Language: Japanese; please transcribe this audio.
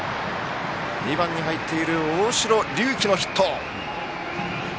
２番に入っている大城龍紀のヒット。